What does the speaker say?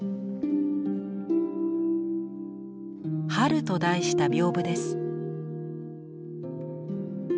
「春」と題した屏風です。